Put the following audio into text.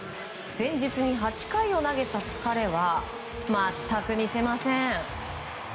前日に８回を投げた疲れは全く見せません。